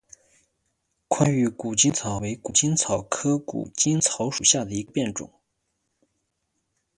宽玉谷精草为谷精草科谷精草属下的一个变种。